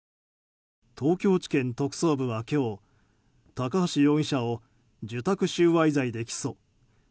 東京地検特捜部は今日高橋容疑者を受託収賄罪で起訴。